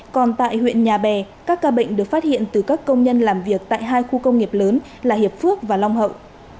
còn tại huyện nhà bè các ca bệnh được phát hiện từ các công nhân làm việc tại hai khu công nghiệp lớn là hiệp phước và long hậu